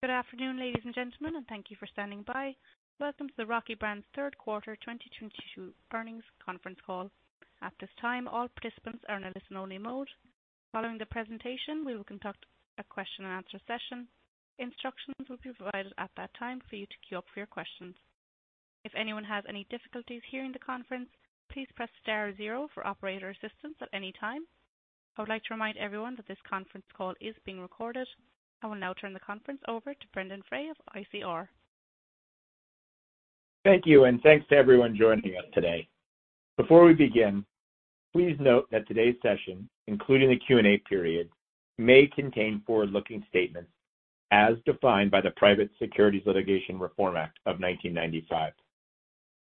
Good afternoon, ladies and gentlemen, and thank you for standing by. Welcome to the Rocky Brands third quarter 2022 earnings conference call. At this time, all participants are in a listen-only mode. Following the presentation, we will conduct a question-and-answer session. Instructions will be provided at that time for you to queue up for your questions. If anyone has any difficulties hearing the conference, please press star zero for operator assistance at any time. I would like to remind everyone that this conference call is being recorded. I will now turn the conference over to Brendan Frey of ICR. Thank you, and thanks to everyone joining us today. Before we begin, please note that today's session, including the Q&A period, may contain forward-looking statements as defined by the Private Securities Litigation Reform Act of 1995.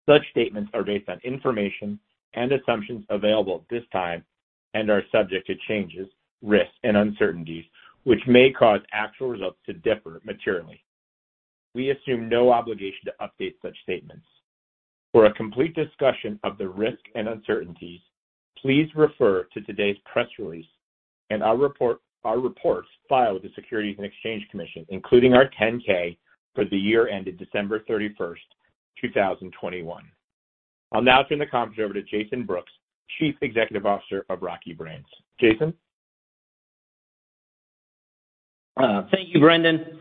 Such statements are based on information and assumptions available at this time and are subject to changes, risks, and uncertainties, which may cause actual results to differ materially. We assume no obligation to update such statements. For a complete discussion of the risks and uncertainties, please refer to today's press release and our reports filed with the Securities and Exchange Commission, including our 10-K for the year ended December 31st, 2021. I'll now turn the conference over to Jason Brooks, Chief Executive Officer of Rocky Brands. Jason? Thank you, Brendan.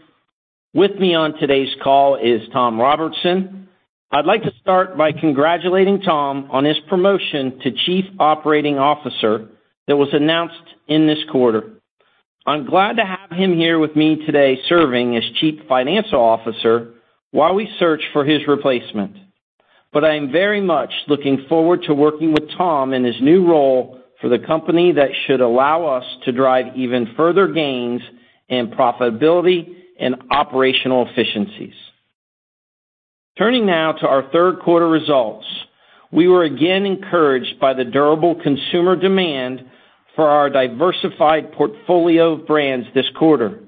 With me on today's call is Tom Robertson. I'd like to start by congratulating Tom on his promotion to Chief Operating Officer that was announced in this quarter. I'm glad to have him here with me today serving as Chief Financial Officer while we search for his replacement. I am very much looking forward to working with Tom in his new role for the company that should allow us to drive even further gains in profitability and operational efficiencies. Turning now to our third quarter results. We were again encouraged by the durable consumer demand for our diversified portfolio of brands this quarter,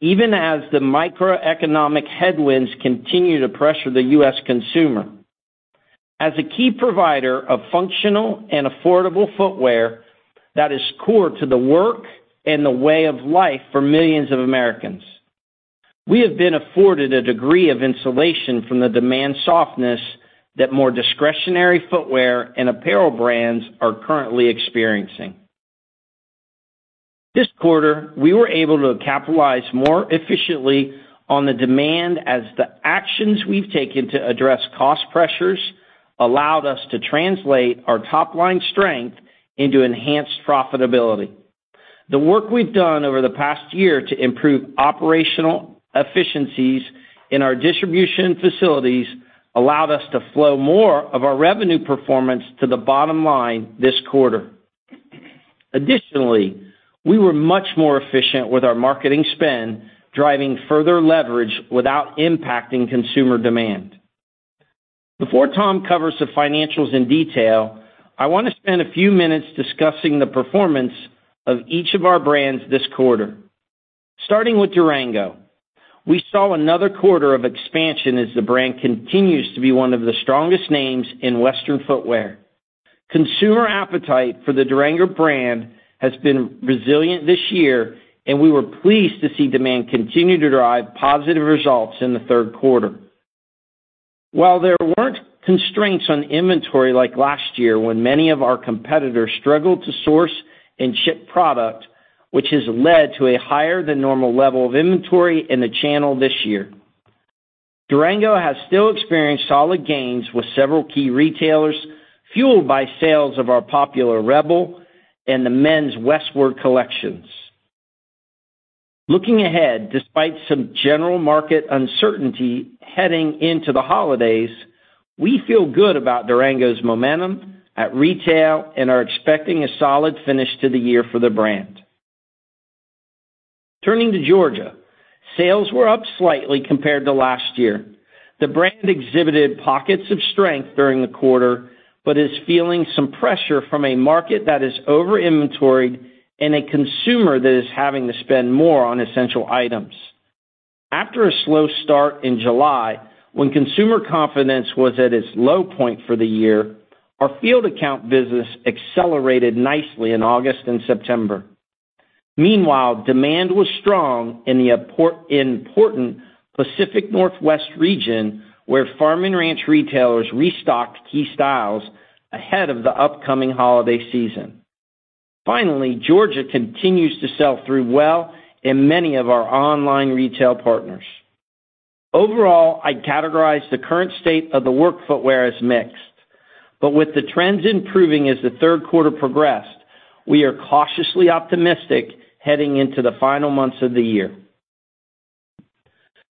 even as the macroeconomic headwinds continue to pressure the U.S. consumer. As a key provider of functional and affordable footwear that is core to the work and the way of life for millions of Americans, we have been afforded a degree of insulation from the demand softness that more discretionary footwear and apparel brands are currently experiencing. This quarter, we were able to capitalize more efficiently on the demand as the actions we've taken to address cost pressures allowed us to translate our top-line strength into enhanced profitability. The work we've done over the past year to improve operational efficiencies in our distribution facilities allowed us to flow more of our revenue performance to the bottom line this quarter. Additionally, we were much more efficient with our marketing spend, driving further leverage without impacting consumer demand. Before Tom covers the financials in detail, I want to spend a few minutes discussing the performance of each of our brands this quarter. Starting with Durango, we saw another quarter of expansion as the brand continues to be one of the strongest names in Western footwear. Consumer appetite for the Durango brand has been resilient this year, and we were pleased to see demand continue to drive positive results in the third quarter. While there weren't constraints on inventory like last year when many of our competitors struggled to source and ship product, which has led to a higher-than-normal level of inventory in the channel this year. Durango has still experienced solid gains with several key retailers, fueled by sales of our popular Rebel and the men's Westward collections. Looking ahead, despite some general market uncertainty heading into the holidays, we feel good about Durango's momentum at retail and are expecting a solid finish to the year for the brand. Turning to Georgia Boot, sales were up slightly compared to last year. The brand exhibited pockets of strength during the quarter, but is feeling some pressure from a market that is over-inventoried and a consumer that is having to spend more on essential items. After a slow start in July, when consumer confidence was at its low point for the year, our field account business accelerated nicely in August and September. Meanwhile, demand was strong in the important Pacific Northwest region, where farm and ranch retailers restocked key styles ahead of the upcoming holiday season. Finally, Georgia continues to sell through well in many of our online retail partners. Overall, I'd categorize the current state of the work footwear as mixed. With the trends improving as the third quarter progressed, we are cautiously optimistic heading into the final months of the year.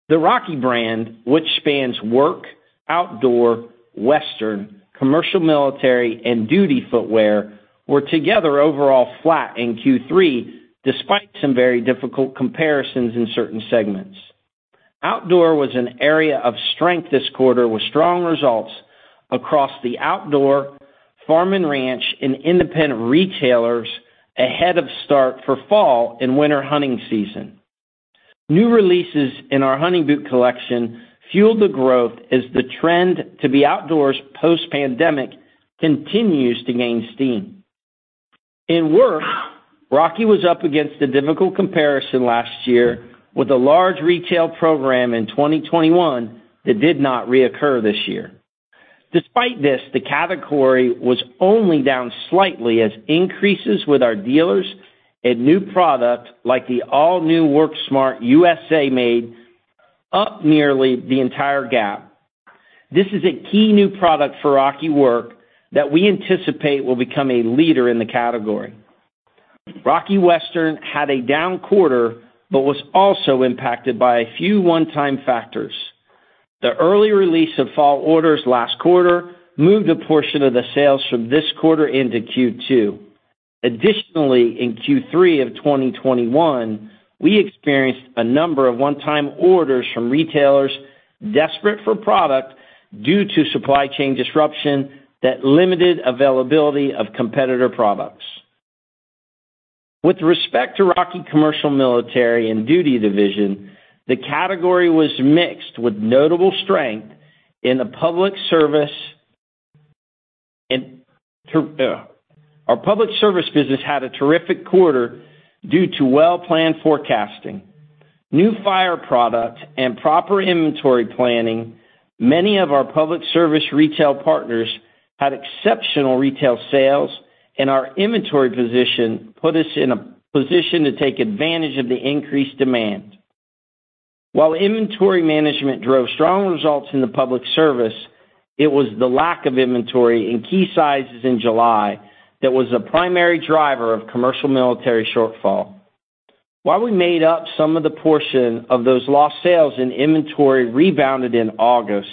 The Rocky brand, which spans work, outdoor, western, commercial, military, and duty footwear, were together overall flat in Q3, despite some very difficult comparisons in certain segments. Outdoor was an area of strength this quarter, with strong results across the outdoor, farm and ranch, and independent retailers ahead of start for fall and winter hunting season. New releases in our hunting boot collection fueled the growth as the trend to be outdoors post-pandemic continues to gain steam. In Work, Rocky was up against a difficult comparison last year with a large retail program in 2021 that did not reoccur this year. Despite this, the category was only down slightly as increases with our dealers and new product like the all new Work Smart USA made up nearly the entire gap. This is a key new product for Rocky Work that we anticipate will become a leader in the category. Rocky Western had a down quarter, but was also impacted by a few one-time factors. The early release of fall orders last quarter moved a portion of the sales from this quarter into Q2. Additionally, in Q3 of 2021, we experienced a number of one-time orders from retailers desperate for product due to supply chain disruption that limited availability of competitor products. With respect to Rocky Commercial Military and Duty division, the category was mixed with notable strength in the public service. Our public service business had a terrific quarter due to well-planned forecasting, new fire product and proper inventory planning, many of our public service retail partners had exceptional retail sales, and our inventory position put us in a position to take advantage of the increased demand. While inventory management drove strong results in the public sector, it was the lack of inventory in key sizes in July that was a primary driver of commercial and military shortfall. While we made up some of the portion of those lost sales and inventory rebounded in August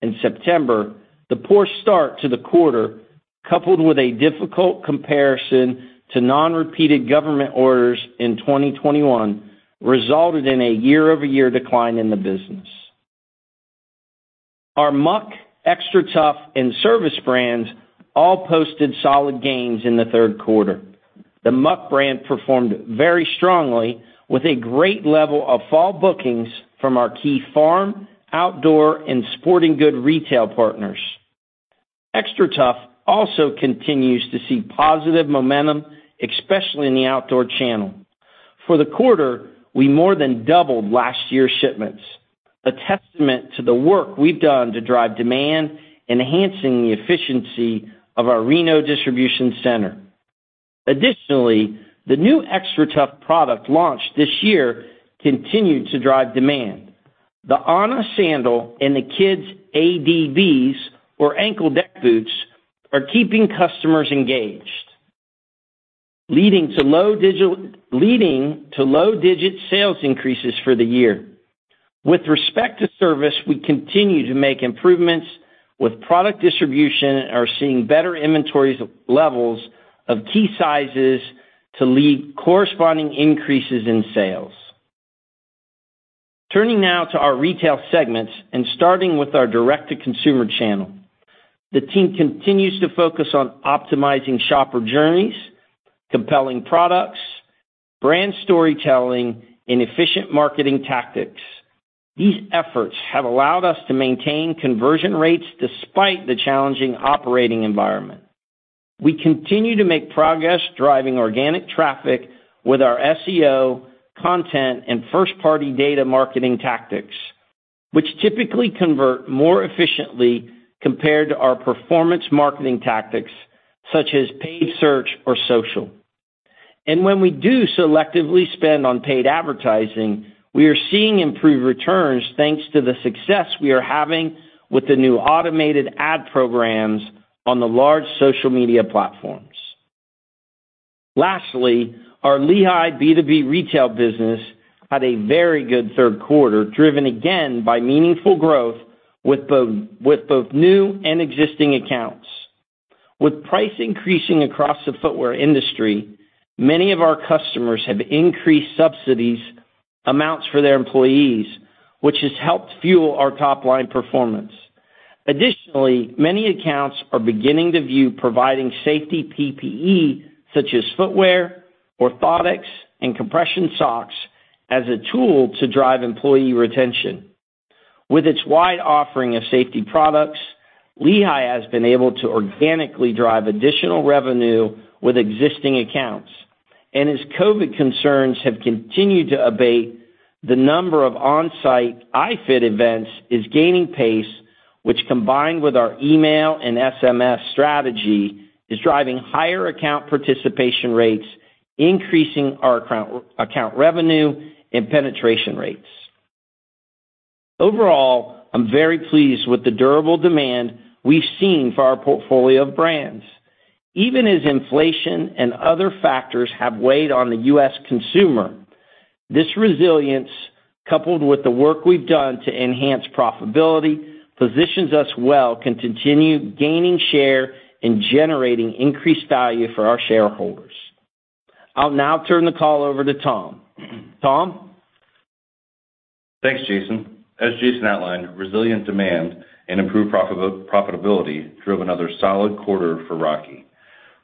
and September, the poor start to the quarter, coupled with a difficult comparison to non-repeated government orders in 2021, resulted in a year-over-year decline in the business. Our Muck, XTRATUF, and Servus brands all posted solid gains in the third quarter. The Muck brand performed very strongly with a great level of fall bookings from our key farm, outdoor, and sporting goods retail partners. XTRATUF also continues to see positive momentum, especially in the outdoor channel. For the quarter, we more than doubled last year's shipments, a testament to the work we've done to drive demand, enhancing the efficiency of our Reno distribution center. Additionally, the new XTRATUF product launched this year continued to drive demand. The Auna sandal and the kids' ADBs, or ankle deck boots, are keeping customers engaged, leading to low single-digit sales increases for the year. With respect to Servus, we continue to make improvements with product distribution and are seeing better inventory levels of key sizes to lead corresponding increases in sales. Turning now to our retail segments and starting with our direct-to-consumer channel. The team continues to focus on optimizing shopper journeys, compelling products, brand storytelling, and efficient marketing tactics. These efforts have allowed us to maintain conversion rates despite the challenging operating environment. We continue to make progress driving organic traffic with our SEO, content, and first-party data marketing tactics, which typically convert more efficiently compared to our performance marketing tactics, such as paid search or social. When we do selectively spend on paid advertising, we are seeing improved returns thanks to the success we are having with the new automated ad programs on the large social media platforms. Lastly, our Lehigh B2B retail business had a very good third quarter, driven again by meaningful growth with both new and existing accounts. With price increasing across the footwear industry, many of our customers have increased subsidy amounts for their employees, which has helped fuel our top line performance. Additionally, many accounts are beginning to view providing safety PPE, such as footwear, orthotics, and compression socks, as a tool to drive employee retention. With its wide offering of safety products, Lehigh has been able to organically drive additional revenue with existing accounts. As COVID concerns have continued to abate, the number of on-site iFIT events is gaining pace, which combined with our email and SMS strategy, is driving higher account participation rates, increasing our account revenue and penetration rates. Overall, I'm very pleased with the durable demand we've seen for our portfolio of brands. Even as inflation and other factors have weighed on the U.S. consumer, this resilience, coupled with the work we've done to enhance profitability, positions us well, can continue gaining share and generating increased value for our shareholders. I'll now turn the call over to Tom. Tom? Thanks, Jason. As Jason outlined, resilient demand and improved profitability drove another solid quarter for Rocky.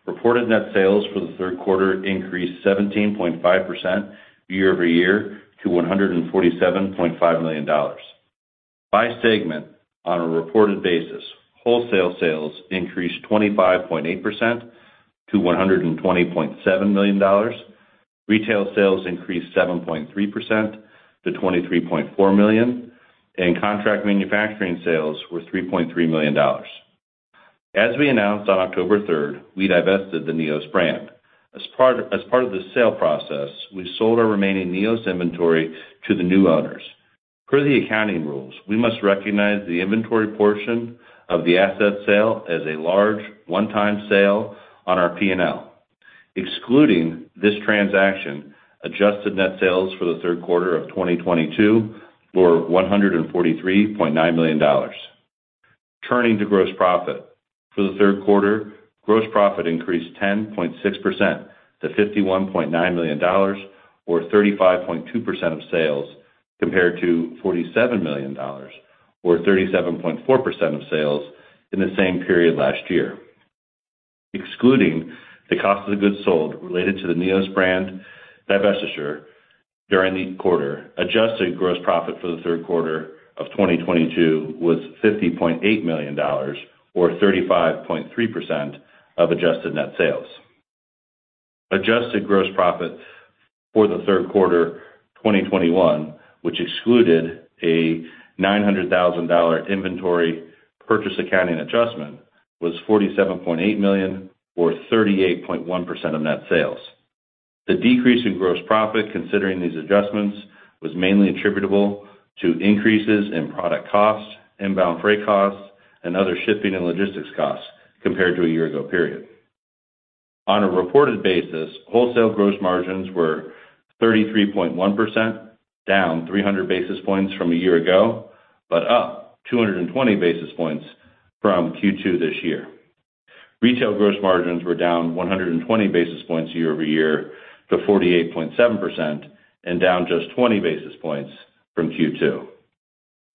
Reported net sales for the third quarter increased 17.5% year-over-year to $147.5 million. By segment, on a reported basis, wholesale sales increased 25.8% to $120.7 million. Retail sales increased 7.3% to $23.4 million, and contract manufacturing sales were $3.3 million. As we announced on October 3rd, we divested the NEOS brand. As part of the sale process, we sold our remaining NEOS inventory to the new owners. Per the accounting rules, we must recognize the inventory portion of the asset sale as a large one-time sale on our P&L. Excluding this transaction, adjusted net sales for the third quarter of 2022 were $143.9 million. Turning to gross profit. For the third quarter, gross profit increased 10.6% to $51.9 million or 35.2% of sales, compared to $47 million or 37.4% of sales in the same period last year. Excluding the cost of the goods sold related to the NEOS brand divestiture during the quarter, adjusted gross profit for the third quarter of 2022 was $50.8 million or 35.3% of adjusted net sales. Adjusted gross profit for the third quarter 2021, which excluded a $900,000 inventory purchase accounting adjustment, was $47.8 million or 38.1% of net sales. The decrease in gross profit considering these adjustments was mainly attributable to increases in product costs, inbound freight costs, and other shipping and logistics costs compared to a year-ago period. On a reported basis, wholesale gross margins were 33.1%, down 300 basis points from a year ago, but up 220 basis points from Q2 this year. Retail gross margins were down 120 basis points year-over-year to 48.7% and down just 20 basis points from Q2.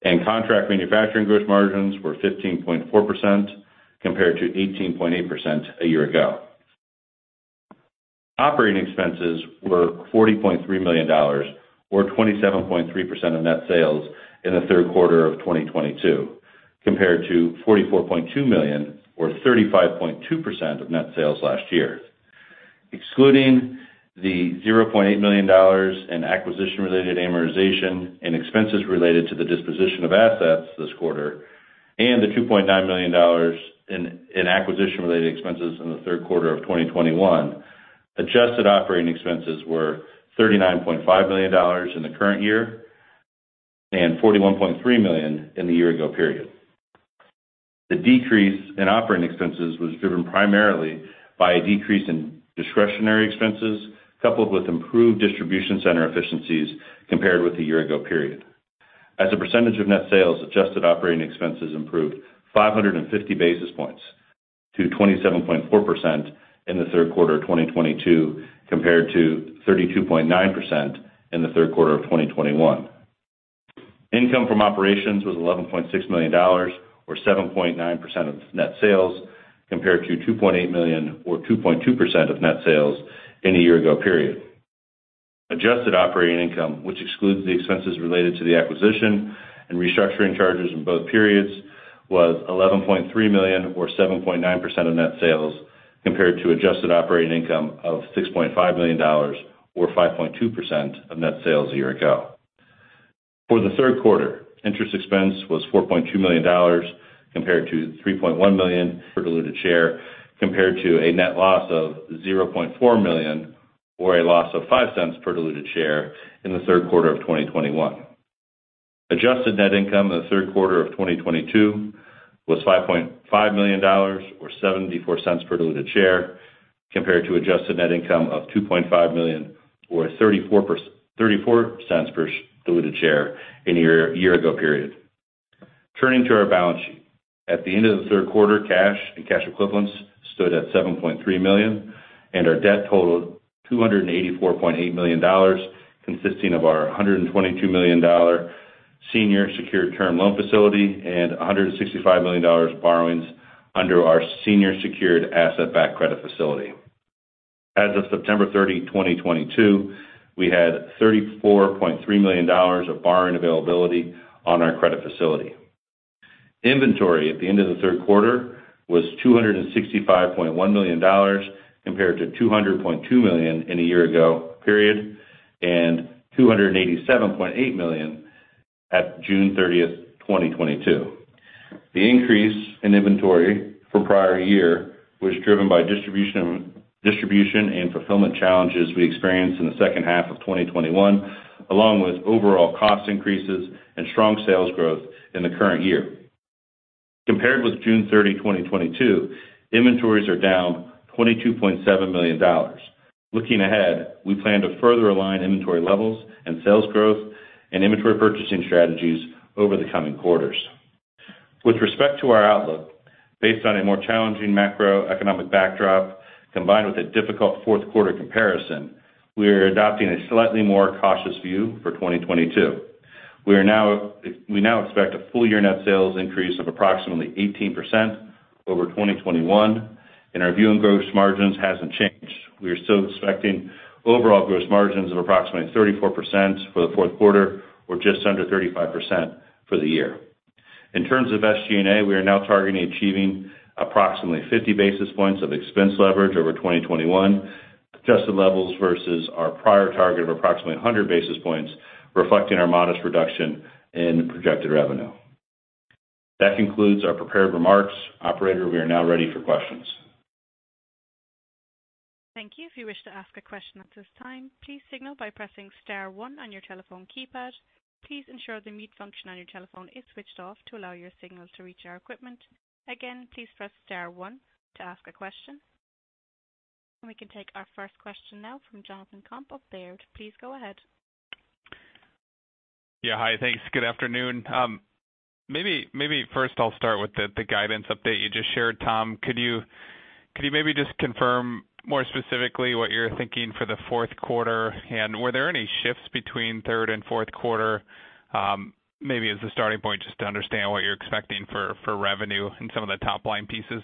Contract manufacturing gross margins were 15.4% compared to 18.8% a year ago. Operating expenses were $40.3 million or 27.3% of net sales in the third quarter of 2022, compared to $44.2 million or 35.2% of net sales last year. Excluding the $0.8 million in acquisition-related amortization and expenses related to the disposition of assets this quarter, and the $2.9 million in acquisition-related expenses in the third quarter of 2021, adjusted operating expenses were $39.5 million in the current year and $41.3 million in the year ago period. The decrease in operating expenses was driven primarily by a decrease in discretionary expenses, coupled with improved distribution center efficiencies compared with the year ago period. As a percentage of net sales, adjusted operating expenses improved 550 basis points to 27.4% in the third quarter of 2022, compared to 32.9% in the third quarter of 2021. Income from operations was $11.6 million or 7.9% of net sales, compared to $2.8 million or 2.2% of net sales in a year-ago period. Adjusted operating income, which excludes the expenses related to the acquisition and restructuring charges in both periods, was $11.3 million or 7.9% of net sales, compared to adjusted operating income of $6.5 million or 5.2% of net sales a year ago. For the third quarter, interest expense was $4.2 million compared to $3.1 million per diluted share, compared to a net loss of $0.4 million or a loss of $0.05 per diluted share in the third quarter of 2021. Adjusted net income in the third quarter of 2022 was $5.5 million or $0.74 per diluted share, compared to adjusted net income of $2.5 million or $0.34 per diluted share in the year-ago period. Turning to our balance sheet. At the end of the third quarter, cash and cash equivalents stood at $7.3 million, and our debt totaled $284.8 million, consisting of our $122 million senior secured term loan facility and $165 million borrowings under our senior secured asset-backed credit facility. As of September 30, 2022, we had $34.3 million of borrowing availability on our credit facility. Inventory at the end of the third quarter was $265.1 million, compared to $200.2 million in a year-ago period and $287.8 million at June 30th, 2022. The increase in inventory from prior year was driven by distribution and fulfillment challenges we experienced in the second half of 2021, along with overall cost increases and strong sales growth in the current year. Compared with June 30, 2022, inventories are down $22.7 million. Looking ahead, we plan to further align inventory levels and sales growth and inventory purchasing strategies over the coming quarters. With respect to our outlook, based on a more challenging macroeconomic backdrop, combined with a difficult fourth quarter comparison, we are adopting a slightly more cautious view for 2022. We now expect a full-year net sales increase of approximately 18% over 2021. In our view, our gross margins hasn't changed. We are still expecting overall gross margins of approximately 34% for the fourth quarter or just under 35% for the year. In terms of SG&A, we are now targeting achieving approximately 50 basis points of expense leverage over 2021 adjusted levels versus our prior target of approximately 100 basis points, reflecting our modest reduction in projected revenue. That concludes our prepared remarks. Operator, we are now ready for questions. Thank you. If you wish to ask a question at this time, please signal by pressing star one on your telephone keypad. Please ensure the mute function on your telephone is switched off to allow your signal to reach our equipment. Again, please press star one to ask a question. We can take our first question now from Jonathan Komp of Baird. Please go ahead. Yeah. Hi. Thanks. Good afternoon. Maybe first I'll start with the guidance update you just shared, Tom. Could you maybe just confirm more specifically what you're thinking for the fourth quarter? Were there any shifts between third and fourth quarter, maybe as a starting point, just to understand what you're expecting for revenue and some of the top line pieces?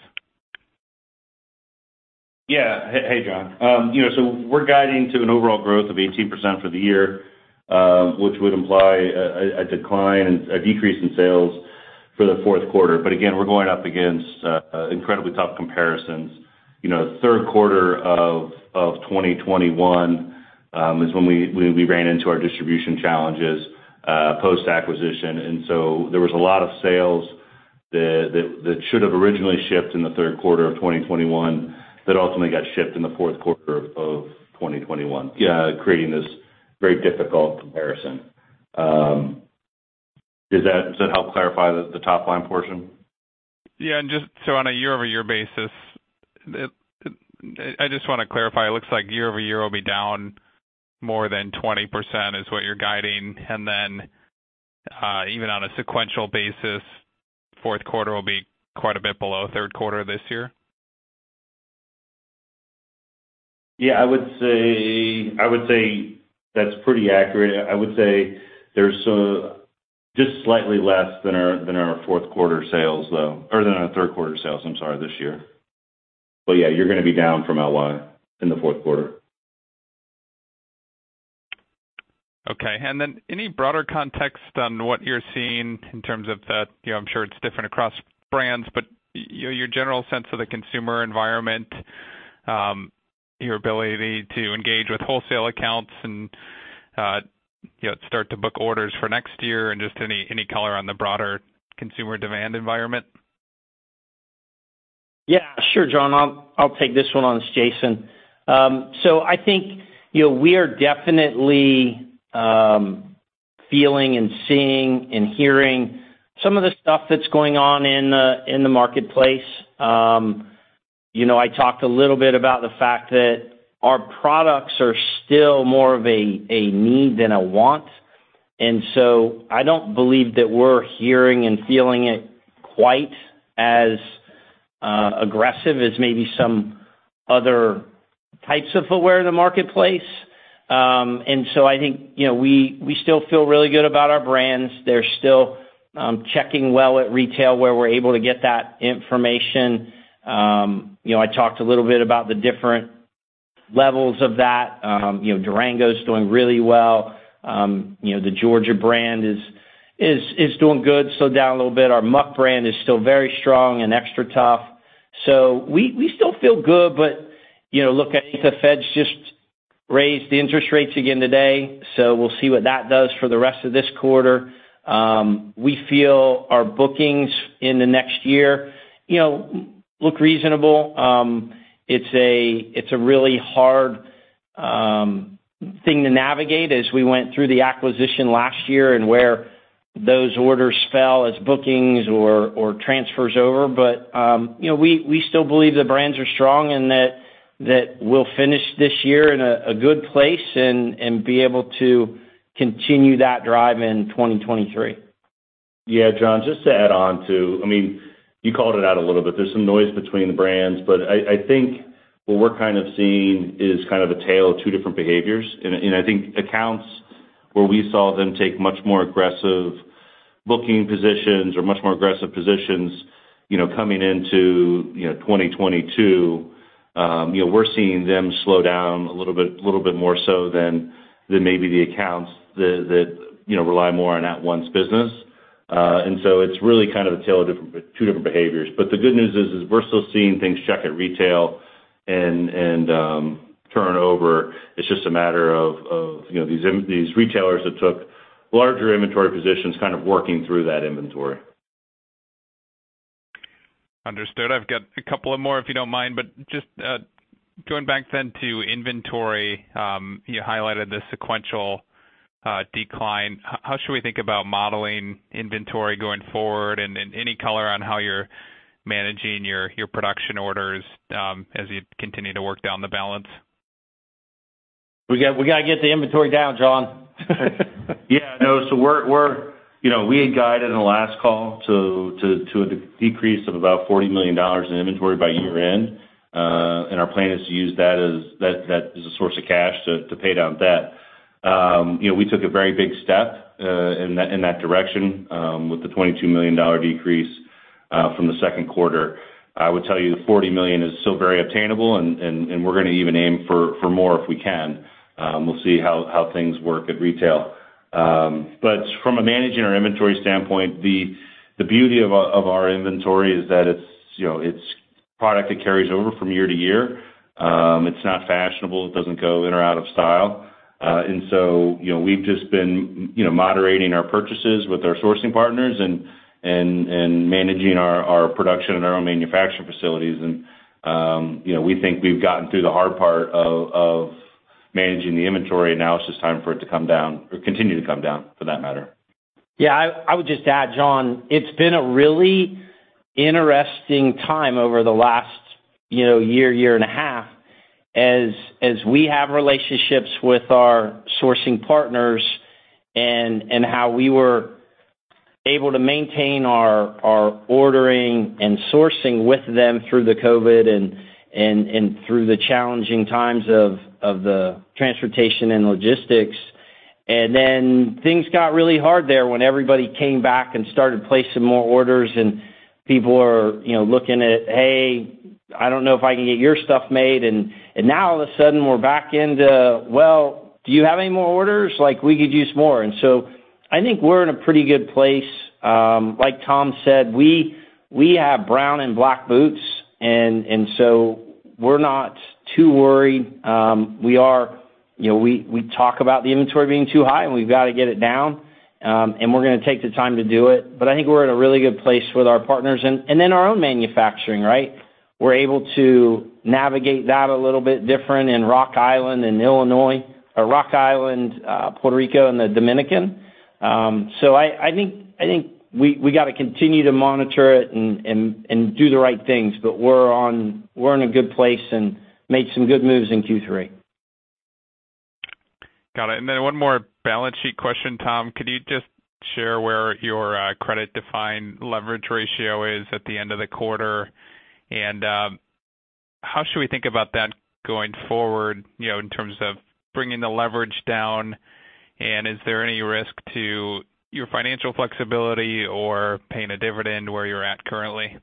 Yeah. Hey, John. You know, we're guiding to an overall growth of 18% for the year, which would imply a decline, a decrease in sales for the fourth quarter. Again, we're going up against incredibly tough comparisons. You know, third quarter of 2021 is when we ran into our distribution challenges post-acquisition. There was a lot of sales that should have originally shipped in the third quarter of 2021 that ultimately got shipped in the fourth quarter of 2021, creating this very difficult comparison. Does that help clarify the top line portion? Yeah. Just so on a year-over-year basis, I just want to clarify, it looks like year-over-year will be down more than 20% is what you're guiding. Even on a sequential basis, fourth quarter will be quite a bit below third quarter this year. Yeah, I would say that's pretty accurate. I would say there's just slightly less than our third quarter sales, I'm sorry, this year. Yeah, you're gonna be down from LY in the fourth quarter. Okay. Then any broader context on what you're seeing in terms of that? You know, I'm sure it's different across brands, but, you know, your general sense of the consumer environment, your ability to engage with wholesale accounts and, you know, start to book orders for next year and just any color on the broader consumer demand environment. Yeah, sure, John. I'll take this one on. I'm Jason. I think, you know, we are definitely feeling and seeing and hearing some of the stuff that's going on in the marketplace. You know, I talked a little bit about the fact that our products are still more of a need than a want, and so I don't believe that we're hearing and feeling it quite as aggressive as maybe some other types of footwear in the marketplace. I think, you know, we still feel really good about our brands. They're still checking well at retail where we're able to get that information. You know, I talked a little bit about the different levels of that. You know, Durango's doing really well. You know, the Georgia Boot brand is doing good, so down a little bit. Our Muck brand is still very strong and XTRATUF. We still feel good. You know, look, I think the Fed's just raised the interest rates again today, so we'll see what that does for the rest of this quarter. We feel our bookings in the next year, you know, look reasonable. It's a really hard thing to navigate as we went through the acquisition last year and where those orders fell as bookings or transfers over. You know, we still believe the brands are strong and that we'll finish this year in a good place and be able to continue that drive in 2023. Yeah, John, just to add on to. I mean, you called it out a little bit. There's some noise between the brands. I think what we're kind of seeing is kind of a tale of two different behaviors. I think accounts where we saw them take much more aggressive booking positions or much more aggressive positions, you know, coming into, you know, 2022, you know, we're seeing them slow down a little bit more so than maybe the accounts that you know, rely more on at-once business. It's really kind of a tale of two different behaviors. The good news is we're still seeing things check at retail and turn over. It's just a matter of, you know, these retailers that took larger inventory positions kind of working through that inventory. Understood. I've got a couple of more, if you don't mind. Just going back then to inventory, you highlighted the sequential decline. How should we think about modeling inventory going forward? And then any color on how you're managing your production orders, as you continue to work down the balance? We gotta get the inventory down, John. Yeah. No. We're, you know, we had guided in the last call to a decrease of about $40 million in inventory by year end. Our plan is to use that as a source of cash to pay down debt. You know, we took a very big step in that direction with the $22 million decrease from the second quarter. I would tell you the $40 million is still very obtainable, and we're gonna even aim for more if we can. We'll see how things work at retail. From a managing our inventory standpoint, the beauty of our inventory is that it's, you know, it's product that carries over from year to year. It's not fashionable. It doesn't go in or out of style. You know, we've just been, you know, moderating our purchases with our sourcing partners and managing our production in our own manufacturing facilities. You know, we think we've gotten through the hard part of managing the inventory. Now it's just time for it to come down or continue to come down for that matter. Yeah. I would just add, Jonathan, it's been a really interesting time over the last, you know, year and a half, as we have relationships with our sourcing partners and how we were able to maintain our ordering and sourcing with them through the COVID and through the challenging times of the transportation and logistics. Things got really hard there when everybody came back and started placing more orders, and people were, you know, looking at, "Hey, I don't know if I can get your stuff made." Now all of a sudden we're back into, "Well, do you have any more orders? Like, we could use more." I think we're in a pretty good place. Like Tom said, we have brown and black boots and so we're not too worried. We are... You know, we talk about the inventory being too high, and we've gotta get it down, and we're gonna take the time to do it. But I think we're at a really good place with our partners and then our own manufacturing, right? We're able to navigate that a little bit different in Rock Island and Illinois or Rock Island, Puerto Rico, and the Dominican. So I think we gotta continue to monitor it and do the right things, but we're in a good place and made some good moves in Q3. Got it. One more balance sheet question, Tom. Could you just share where your credit-defined leverage ratio is at the end of the quarter? How should we think about that going forward, you know, in terms of bringing the leverage down? Is there any risk to your financial flexibility or paying a dividend where you're at currently?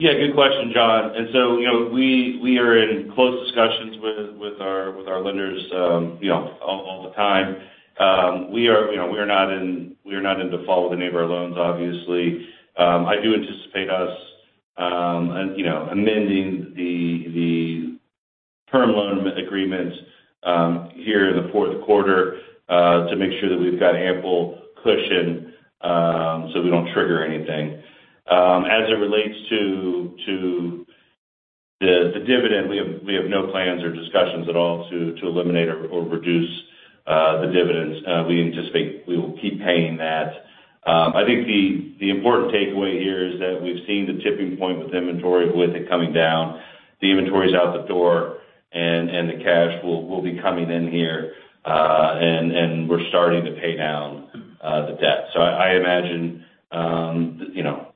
Yeah, good question, John. You know, we are in close discussions with our lenders, you know, all the time. We are not in default with any of our loans, obviously. I do anticipate us amending the term loan agreement here in the fourth quarter to make sure that we've got ample cushion so we don't trigger anything. As it relates to the dividend, we have no plans or discussions at all to eliminate or reduce the dividends. We anticipate we will keep paying that. I think the important takeaway here is that we've seen the tipping point with inventory, with it coming down. The inventory's out the door, and the cash will be coming in here, and we're starting to pay down the debt. I imagine you know,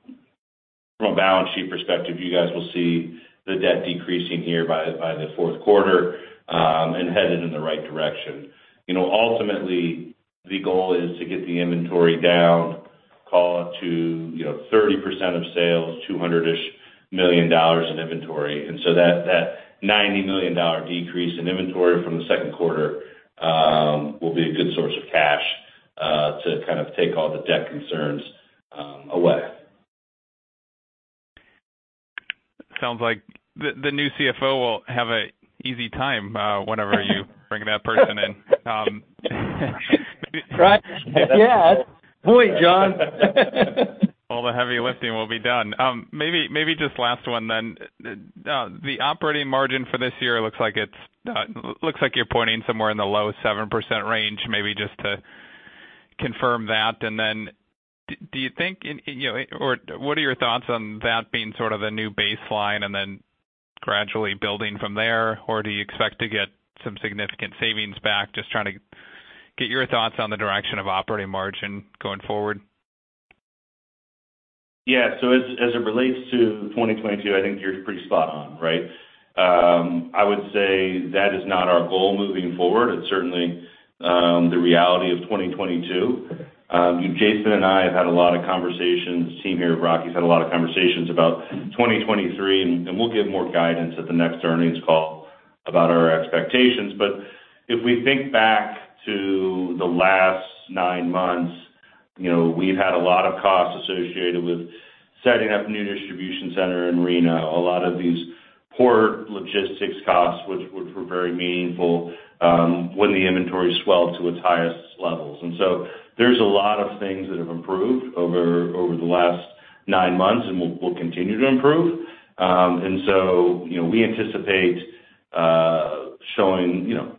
from a balance sheet perspective, you guys will see the debt decreasing here by the fourth quarter, and headed in the right direction. You know, ultimately, the goal is to get the inventory down, call it to you know, 30% of sales, $200-ish million in inventory. That $90 million decrease in inventory from the second quarter will be a good source of cash to kind of take all the debt concerns away. Sounds like the new CFO will have an easy time whenever you bring that person in. Right. Yeah. Boy, John. All the heavy lifting will be done. Maybe just last one then. The operating margin for this year looks like you're pointing somewhere in the low 7% range. Maybe just to confirm that. Then do you think, you know, or what are your thoughts on that being sort of the new baseline and then gradually building from there? Or do you expect to get some significant savings back? Just trying to get your thoughts on the direction of operating margin going forward. Yeah. As it relates to 2022, I think you're pretty spot on, right? I would say that is not our goal moving forward. It's certainly the reality of 2022. Jason and I have had a lot of conversations, the team here at Rocky Brands had a lot of conversations about 2023, and we'll give more guidance at the next earnings call about our expectations. If we think back to the last nine months, you know, we've had a lot of costs associated with setting up a new distribution center in Reno. A lot of these port logistics costs, which were very meaningful, when the inventory swelled to its highest levels. There's a lot of things that have improved over the last nine months and will continue to improve. you know, we anticipate showing you know,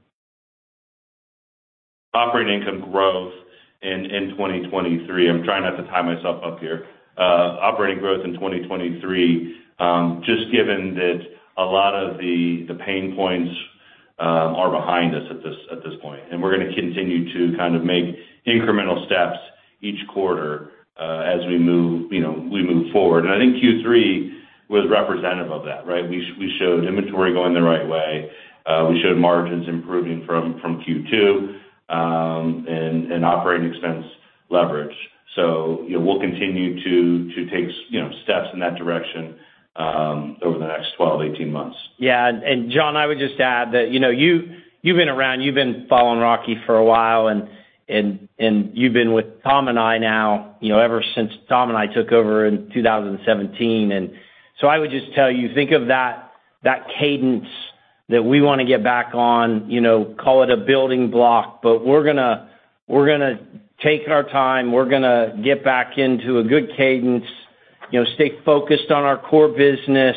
operating income growth in 2023. I'm trying not to tie myself up here. Operating growth in 2023, just given that a lot of the pain points are behind us at this point. We're gonna continue to kind of make incremental steps each quarter, as we move you know, we move forward. I think Q3 was representative of that, right? We showed inventory going the right way. We showed margins improving from Q2, and operating expense leverage. you know, we'll continue to take you know, steps in that direction, over the next 12-18 months. Yeah. Jonathan, I would just add that, you know, you've been around, you've been following Rocky for a while, and you've been with Tom and I now, you know, ever since Tom and I took over in 2017. I would just tell you think of that cadence that we wanna get back on, you know, call it a building block. We're gonna take our time. We're gonna get back into a good cadence, you know, stay focused on our core business,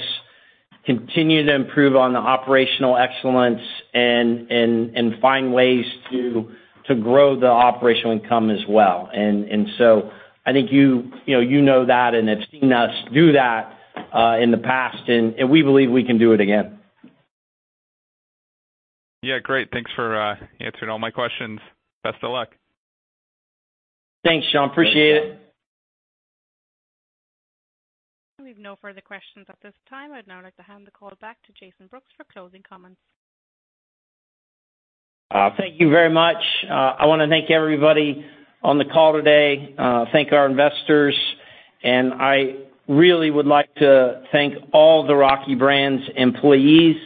continue to improve on the operational excellence and find ways to grow the operational income as well. I think you know that and have seen us do that in the past, and we believe we can do it again. Yeah, great. Thanks for answering all my questions. Best of luck. Thanks, John. Appreciate it. Thanks, John. We have no further questions at this time. I'd now like to hand the call back to Jason Brooks for closing comments. Thank you very much. I wanna thank everybody on the call today, thank our investors, and I really would like to thank all the Rocky Brands employees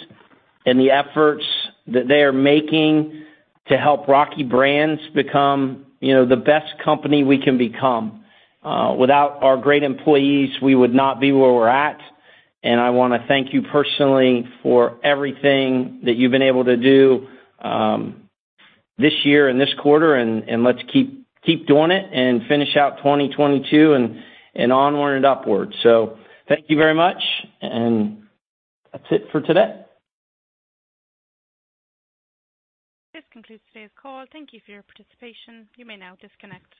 and the efforts that they are making to help Rocky Brands become, you know, the best company we can become. Without our great employees, we would not be where we're at. I wanna thank you personally for everything that you've been able to do, this year and this quarter, and let's keep doing it and finish out 2022 and onward and upwards. Thank you very much, and that's it for today. This concludes today's call. Thank you for your participation. You may now disconnect.